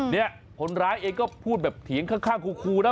เนี่ยคนร้ายเองก็พูดแบบเถียงข้างคูนะ